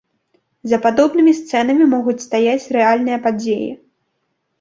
За падобнымі сцэнамі могуць стаяць рэальныя падзеі.